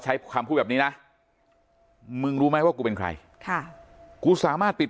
ใช้คำพูดแบบนี้นะมึงรู้ไหมว่ากูเป็นใครค่ะกูสามารถปิด